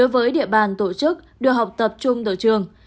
với địa bàn tổ chức được học tập trung tổ trường